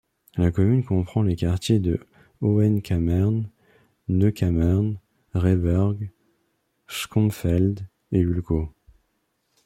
La commune comprend les quartiers de Hohenkamern, Neukamern, Rehberg, Schönfeld et Wulkau.